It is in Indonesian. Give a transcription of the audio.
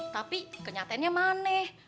tapi kenyataannya maneh